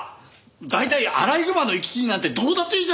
大体アライグマの生き死になんてどうだっていいじゃないか！